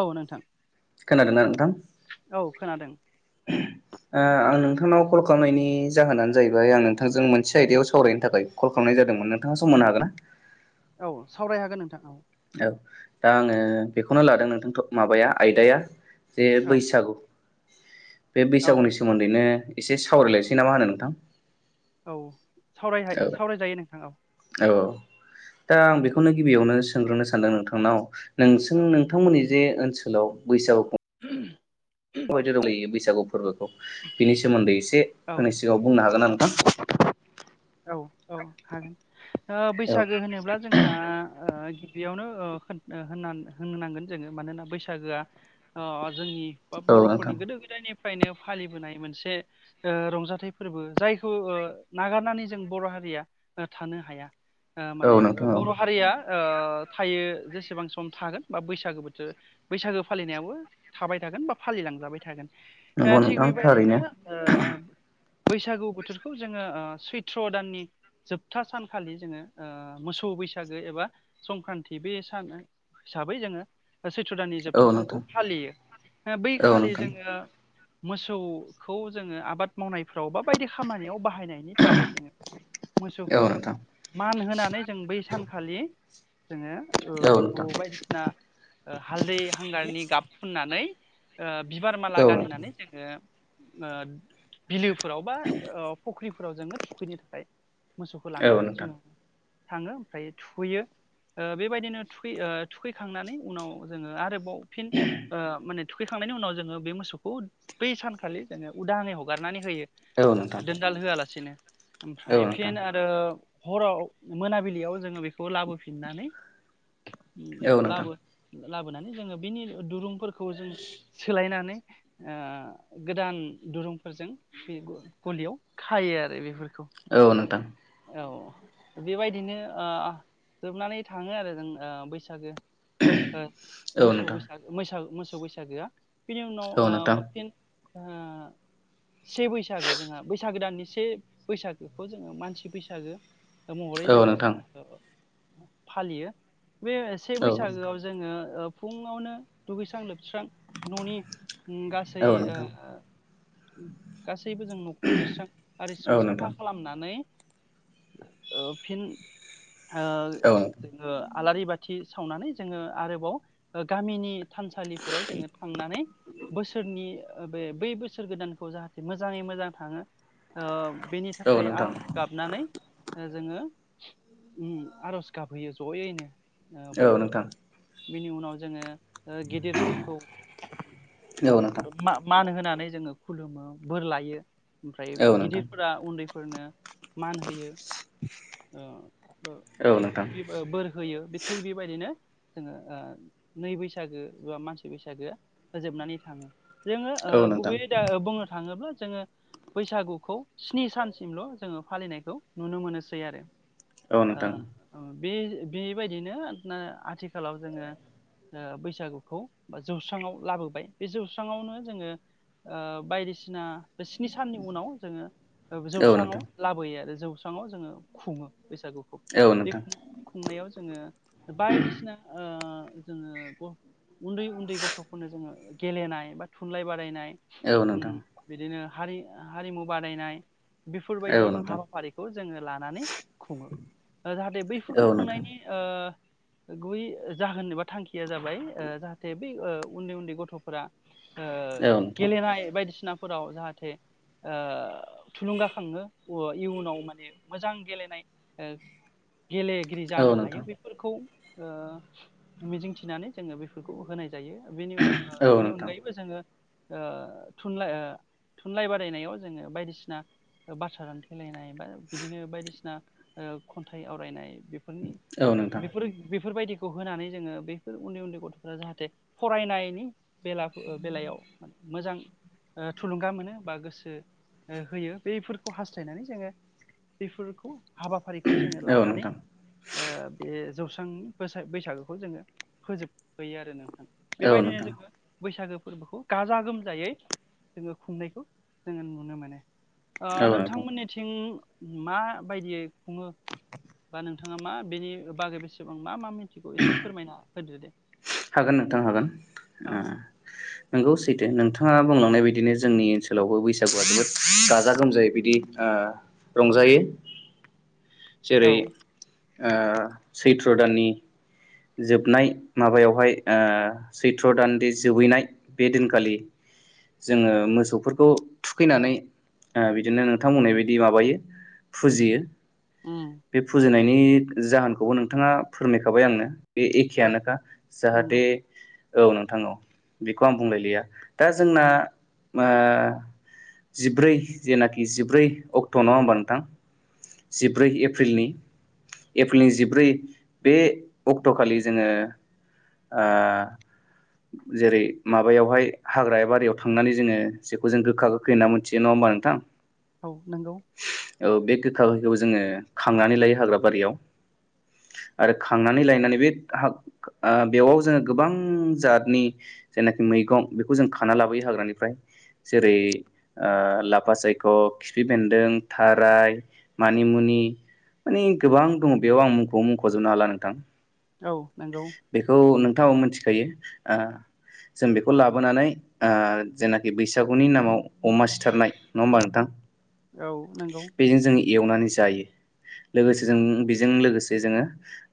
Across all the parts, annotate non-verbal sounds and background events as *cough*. औ नोंथां औ खोनादों ओहम ओ आं नोंथांनाव कल खालामनायनि जाहोनानो जाहैबाय आं नोंथांजों मोनसे आयदायाव सावरायनो थाखाय कल खालामनाय जादोंमोन नोंथाङा सम होनो हागोन ना औ सावराय हागोन नोंथां औ औ दा आङो बेखौनो लादों नोंथांथ' माबाया आयदाया जे औ बैसागु बे औ बैसागुनि सोमोनदैनो एसे सावरायलायसै नामा होनो नोंथां औ औ सावरायहाय सावरायजायो नोंथां औ औ दा आं बेखौनो गिबियावनो सोंग्रोनो सानदों नोंथांनाव नोंसों औ नोंथांमोननि जे ओनसोलाव बैसागु बैसागु फोरबोखौ बिनि सोमोन्दै एसे औ आंनि सिगाङाव बुंनो हागोन ना नोंथां औ औ हागोन ओ औ बैसागो होनोब्ला जोंहा ओ बेयावनो होननो नांगोन जोङो मानोना बैसागोआ अ जोंनि बा औ नोंथां बर'फोरनि गोदो गोदाय नेम निफ्रायनो फालिबोनाय मोनसे ओ रंजाथाइ फोरबो जायखौ नागारनानै जों बर' हारिया ना थानो हाया ओ औ माने नोंथां औ बर' हारिया ओ थायो जेसे बेसेबां सम थागोन बा बैसागो बोथोर बैसागो फालिनायावबो थाबाय थागोन बा फालिलांजाबाय थागोन नंगौ दा थिग नोंथां बेबायदिनो थारैनो ओ बैसागु बोथोरखौ जोङो ओ सुइट थ्र' दाननि जोबथा सानखालि जोङो ओ मोसौ बैसागो एबा संक्रान्ति बे सान हिसाबै जोङो सैथ्र' दानि औ जोबथा सानखौ नोंथां फालियो बै औ खालि नोंथां जोङो मोसौखौ जोङो आबाद मावनायफ्राव बा बायदि खामानियाव बाहायनाय जोङो औ मोसौखौ नोंथां मान होनानै जों बै सानखालि जोङो ओ औ बेखौ नोंथां बायदिसिना ओ हालदै हांगारनि गाब फुननानै ओ बिबार माला औ नोंथां गानहोनानै जोङो ओ बिलो फोराव बा ओ फुख्रिफोराव जोङो थुखैनो थाखाय मोसौखौ औ लांनानै नोंथां जोङो थाङो ओमफ्राय थुखैयो ओ बेबायदिनो थुैखै ओ थुखैखांनानै उनाव जोङो आरोबाव फिन ओ माने थुखैखांनायनि उनाव जोङो बे मोसौखौ बै सानखालि जोङो उदाङै हगारनानै होयो औ नोंथां दोनदाल होआलासिनो औ ओमफ्राय फिन आरो हराव मोनाबिलियाव जोङो बेखौ लाबोफिननानै नोंथां लाबो लाबोनानै जोंङो बिनि दुरुंफोरखौ जों सोलायनानै ओ गोदान दुरुंफोरजों फि गलियाव खायो आरो बे औ नोंथां औ बेबायदिनो ओ जोबनानै थांङो आरो जोंना ओ बैसागो ओ नोंथां औ मोसौ नोंथां बैसागो मैसा मोसौ बैसागोआ बिनि उनाव ओ फिन ओ से बैसागो जोंहा बैसागो दाननि से बैसागोखौ जोंङो मानसि बैसागो महरै जोंङो औ नोंथां ओ फालियो। बे से बैसागोआव ओ जोंङो फुङावनो दुगैस्रां लोबस्रां न'नि गासै ओ गासै सैबो जों न'खौ लिरस्रां औ नोंथां औ नोंथां औ नोंथां औ नोंथां औ आरिस्रां साफा नोंथां खालामनानै ओ फिन ओ औ नोंथां औ नोंथां औ जोंङो आलारि बाथि सावनानै जोंङो आरोबाव ओ गामिनि थानसालिफोराव जोंङो थांनानै बोसोरनि ओ बे बै बोसोर गोदानखौ जाहाथे मोजाङै मोजां थाङो ओ बेनि थाखाय नोंथां औ नोंथां औ नोंथां औ नोंथां औ नोंथां औ आर'ज नोंथां नानै ओ जोंङो उम आर'ज गाबहैयो जयैनो ओ बयबो बिनि उनाव जोंङो ओ गिदिरफोरखौ मा मान होनानै जोंङो खुलुमो बोर लायो ओमफ्राय गिदिरफोरा उन्दैफोरनो मान होयो। ओ थिग बि बोर होयो बे थिग बेबायदिनो जोंङो नै बैसागो बा मानसि बैसागो फोजोबनानै थांङो जोंङो ओ गुबैयै दा बुंनो थाङोब्ला जोंङो बैसागुखौ स्नि सानसिमल' जोंङो फालिनायखौ नुनो मोनोसै आरो। औ नोंथां ओ बे बेबायदिनो आथिखालाव जोंङो ओ बैसागुखौ बा जौस्राङाव लाबोबाय बे जौस्राङावनो जोंङो ओ बायदिसिना बे स्नि साननि उनाव जोंङो औ नोंथां औ नोंथां औ जौस्राङाव लाबोयो आरो जौस्राङाव जोंङो खुंङो। बैसागुखौ बे नोंथां खुंनायाव जोंङो बायदिसिना ओ जोंङो ग उन्दै उन्दै गथ'फोरनो जोंङो गेलेनाय बा थुनलाइ बादायनाय उम बिदिनो हारि हारिमु बादायनाय बेफोरबायदि हाबाफारिखौ जोंङो लानानै खुङो ओ जाहाथे बैफोरखौ खुंनायनि ओ गुबै जाहोन एबा थांखिया जाबाय ओ जाहाथे बै ओ उन्दै उन्दै गथ'फोरा ओ गेलेनाय बायदिसिनाफोराव जाहाथे ओ थुलुंगाखाङो। ओ इयुनाव माने मोजां गेलेनाय ओ गेलेगिरि जानो हायो बेफोरखौ ओ मिजिंथिनानै जोंङो बेफोरखौ होनाय जा जायो बेनि ओ बेनि अनगायैबो जोंङो ओ थुनलाइ ओ थुनलाइ बादायनायाव जोंङो बायदिसिना बाथ्रा दानथेलायनाय बिदिनो बायदिसिना खन्थाइ ओ आवरायनाय बेफोरनि बेफोर बेफोरबायदि खौ होनानै जोंङो बैफोर उन्दै उन्दै गथ'फोरा जाहाथे फरायनायनि बेला बेलायाव मोजां ओ थुलुंगा मोनो बा गोसो होयो बफोरखौ खौ हास्थायनानै जोंङो बेफोरखौ हाबाफारिखौ औ नोंथां औ नोंथां औ जोंङो नोंथां औ नोंथां लानानै बे जौ बिथांनि बैसागोखौ जोंङो फोजोबहोयो आरो नोंथां बेबायदिनो औ जोंङो बैसागो फोरबोखौ गाजा गोमजायै जोंङो खुंनायखौ जोंङो नुनो मोनो। ओ नोंथां औ नोंथां नोंथांमोननिथिं म बायदियै खुङो बा नोंथाङा मा बेनि बागै बेसेबां मा मा मिथि खौ एसे फोरमायना होदो दे हागोन नोंथां हागोन औ नंगौ सैदो नोंथां नाङा बुंलांनाय बायदिनो जोंनि ओनसोलावबो बैसागुआ जोबोद गाजा गोमजायै ओ बिदि रंजायो र *inaudible* जेरै औ ओ सैथ्र दाननि जोबनाय माबायावहाय सैथ्र दानदि जोबहैनाय बे दिनखालि जोङो मोसौफोरखौ थुखैनानै ओ बिदिनो नोंथां बुंनाय बिदि माबायो फुजियो उम बे फुजिनायनि जाहोनखौबो नोंथाङा फोरमायखाबाय आंनो बे औ एखेयानोखा जाहाथे नंगौ औ नोंथां औ बेखौ आं बुंलायलिया दा जोंना औ आ जिब्रै जेनाखि जिब्रै अक्ट' नङ होमबा नोंथां जिब्रै एप्रिलनि एप्रिलनि जिब्रै बे अक्ट'खालि जोङो आ जेरै माबायावहाय हाग्रााया बारियाव थांनानै जोङो जेखौ जों गोखा गोखै होनना मोनथियो नङा बा नोंथां औ नोंगौ औ बे गोखा गोखैखौबो जोङो खानानै लायो हाग्रा बारियाव आरो खांनानै लायनानै बे बेवयाव जोङो गोबां जातनि जायनाखि मैगं बेखौ जों खाना लाबोयो हाग्रानिफ्राय जेरै ओ लाफा सायख' खिफि बेन्दों थाराय मानि मुनि मानिे गोबां दङ बेयाव आं मुंखौ मुंख'जोबनो हाला नोंथां औ नंगौ बेखौ नोंथाङाव मिथिखायो जों बेखौ लाबोनानै ओ जेनाखि बैसागुनि नामाव अमा सिथारनाय नङा होमबा नोंथां औ नंगौ बेजों जों एवनानै जायो लोगोसे जों बेजों लोगोसे जोङो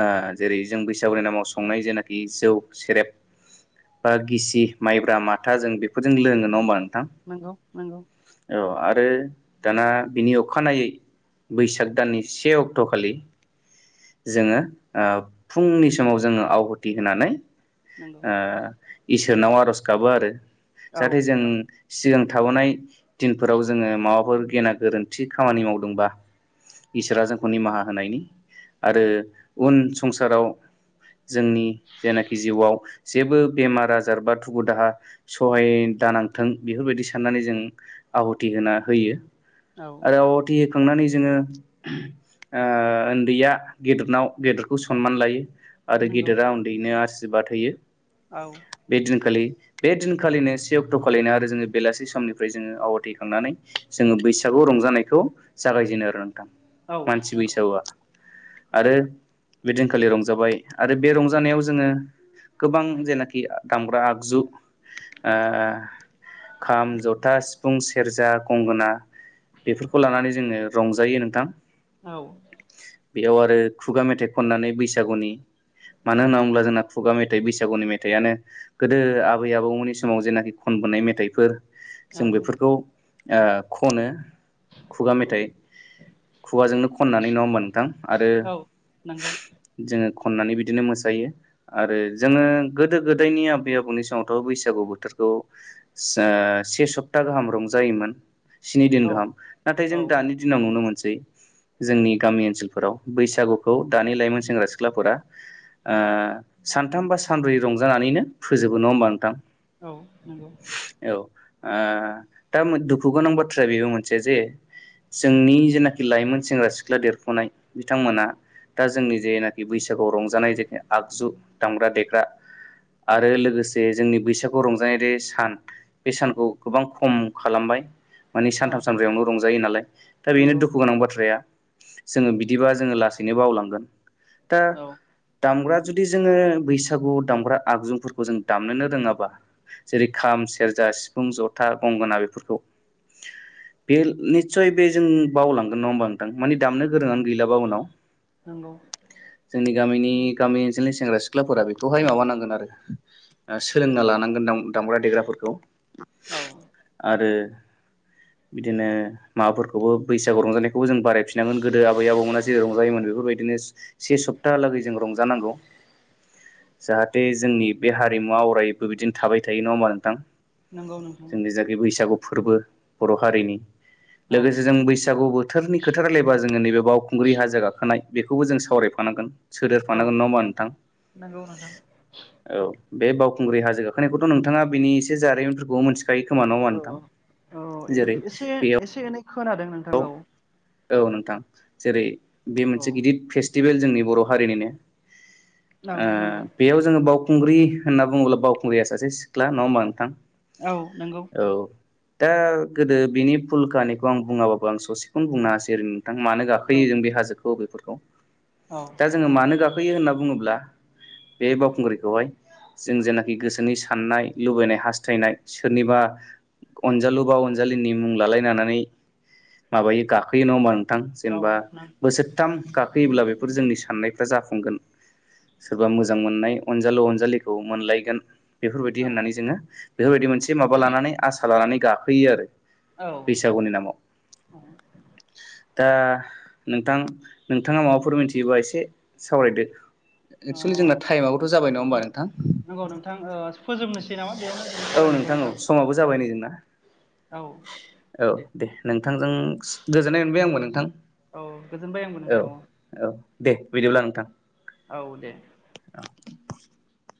ओ जेरै जों बैस सागुनि नामाव संनाय जेनाखि जौ सेरेब बा गिसि माइब्रा माथा जों बेफोरजों लोङो ना होमबा नोंथां नंगौ नंगौ औ आरो दाना बिनि अखानायै बैसाग दाननि से अक्ट' खालि जोङो ओ फुंनि स समाव जोङो आवहुथि होनानै नंगौ ओ इसोरनाव आर'ज गाबो आरो औ जाहाथे जों सिगां थाबोनाय दिनफोराव जोङो माबाफोर गेना गोरोन्थि खामानि मावदोंबा इसोरा जोंखौ निमाहा होनायनि आरो उन संसाराव जोंनि जेनाखि जिउआव जेबो बेमार आजार बा दुखु दाहा सहाय दानांथों बेफोरबायदि साननानै जों आवथि होना होयो औ आरो आवथि होखांनानै जोंङो ओ ओन्दैया गेदेरनाव गेदेरखौ सनमान लायो आरो नंगौ गेदेरा उन्दैनो आसिरबा होयो औ गोलैयो बे दिनखालिनो से अक्ट खालिनो आरो जोंङो बेलासि समनिफ्राय जोंङो आवथिहोखांनानै जोंङो बैसागु रंजानायखौ जागायजेनो आरो नों थां औ मानसि नंगौ बैसागुआ आरो बेदिनखालि रंजाबाय आरो बे रंजानायाव जोंङो गोबां जेनाखि दामग्रा आगजु ओ खाम जथा सिफुं सेरजा गंगोना बेफोरखौ लानानै जोंङो रंजायो नोंथां औ बेयाव आरो खुगा मेथाइ खननानै बैसागुनि मानो होनना बुंङोब्ला जोंना खुगा मेथाइ बैसागुनि मेथाइआनो गोदो आबै आबौमोननि समाव जेनाखि खनबोनाय मेथाइफोर औ जों बेफोरखौ ओ खनो खुगा मेथाइ खुगाजोंनो खननानै नङाहोमबा नों थां आरो नंगौ जोंङो खननानै बिदिनो मोसायो आरो जोंङो गोदो गोदायनि आबै आबौनि समावथ बैसागु बोथोरखौ खौ ओ से सप्ता गाहाम रंजायोमोन स्नि दिन औ गाहाम नाथाय जों औ दानि दिनाव नुनो मोन सै जोंनि गामि ओनसोलफोराव बैसागुखौ दानि लाइमोन सेंग्रा सिख्लाफोरा ओ सानथाम बा सानब्रै रंजानानैनो फोजोबो नङा होमबा नोंथां औ नोंगौ औ ओ दा दुखु गोनां बाथ्राया बेबो मोनसे जे जोंनि जेनाखि लाइमोन सेंग्रा सिख्ला देरफुनाय बिथांमोना दा जोंनि जेनाखि बैस सागु रंजानाय जेरै आगजु दामग्रा देग्रा आरो लोगोसे जोंनि बैसागु रंजानाय दि सान बे सानखौ गोबां खम खालामबाय माने सानथाम औ सानब्रैयावनो रंजायो नालाय दा बेनो नंगौ दुखु गोनां बाथ्राया जोंङो बिदिबा जोंङो लासैनो बावलांगोन दा औ दामग्रा जुदि जोंङो बैसागु दामग्रा आगजुफोरखौ जों दामनोनो रोङाबा जेरै खाम सेरजा सिफुं जथा गंगोना बेफोरखौ बे निस्सय बे जों बावलांगोन नङा होमबा मानि दामनो गोरोंङानो गैलाबा उनाव नंगौ जोंनि गामिनि गामि ओनसोलनि सेंग्रा सिख्लाफोरा बेखौहाय माबानांगोन आरो ओ सोलोंना लानांगोन नोंथां दामग्रा देग्राफोरखौ औ आरो बिदिनो माबाफोरखौबो बैसागु रंजानायखौबो जों बारायफिनांगोन गोदो आबै आबौमोना जेै रंजायोमोन बेफोर बेबायदिनो से सप्तालागै जों रंजानांगौ जाहाथे जोंनि बे हारिमुवा अराय बो बिदिनो थाबाय थायो नङा होमबा नोंथां नंगौ नोंथां जोंनि जाखै बैसागु फोरबो बर हारिनि औ लोगोसे जों बैसागु बोथोरनि खोथा रलायबा जोंङो नैबे बावखुंग्रि हाजो गाखोनाय बेखौबो जों सावरायफानांगोन औ सोदेरफानांगोन नङा होमबा नोंथां नंगौ नोंथां औ बे बावखुंग्रि हाजो गाखोनायखौथ नोंथाङा बेनि एसे जारिमिनफोरखौ मोनन्थि खायो खोमा नङाओमबा औ औ नोंथां जेरै एसे बेयाव एसे एनै खोनादों नोंथां औ औ नोंथां जेरै बे औ मोनसे गिदिद फेस्टिभेल जोंनि बर हारिनिनो ओ नंगौ बेयाव जोंङो बावखुंग्रि होनना बुंङोब्ला बावखुंग्रिया सासे सिख्ला नङा होमबा नोंथां औ नोंगौ औ दा गोदो बिनि फुल कानिखौ आं बुंङाबाबो आं ससेखौनो बुंनो होसै ओरै मानो औ गाखोयो जों बे हाजोखौ बेफोरखौ औ दा जोंङो नंगौ मानो गाखोयो होनना बुङोब्ला बे बावखुंग्रिखौहाय जों जेनाखि गोसोनि साननाय लुबैनाय हास्थायनाय सोरनिबा अनजालु बा अनजालिनि मुं लालायनानै माबायो गाखोयो नङा होमबा नोंथां औ जेनेबा नों बोसोरथाम गाखोयोब्ला बेफोर जोंनि साननायफ्रा जाफुंगोन सोरबा मोजां मोननाय अनजालु अनजालिखौ मोनलायगोन बेफोरबायदि औ होननानै जोङो बेफोरबायदि मोनसे माबा लानानै आसा लानानै गाखोयो आरो बैसागुनि औ अ नामाव दा नोंथां नोंथाङा माबाफोर मिथियोबा एसे सावरायदो एक्सुवेलि जोंना टाइमाबोथ' जाबाय नङा होमबा नोंथां नंगौ नोंथां ओ फोजोबनोसै नामा बेयावनो जों औ सावरायनायखौ नोंथां औ समाबबो जाबाय नै जोंना औ औ दे नों नोंथांजों गोजोननाय मोनबाय आंबो नोंथां औ गोजोनबाय आंबो नोंथां औ औ दे बिदिब्ला नोंथां औ दे